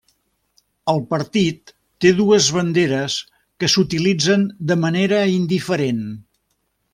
El partit té dues banderes que s'utilitzen de manera indiferent.